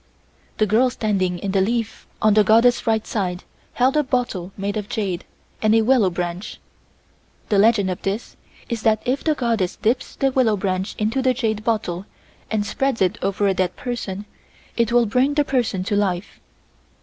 The girl standing in the leaf on the Goddess' right side held a bottle made of jade and a willow branch. The legend of this is that if the Goddess dips the willow branch into the jade bottle and spreads it over a dead person it will bring the person to life.